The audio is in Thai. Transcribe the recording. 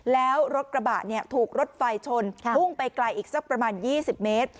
แล้วรถกระบะถูกรถไฟชนพุ่งไปไกลอีกสักประมาณ๒๐เมตร